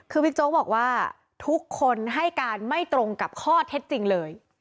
คือบิ๊กโจ๊กบอกว่าทุกคนให้การไม่ตรงกับข้อเท็จจริงเลย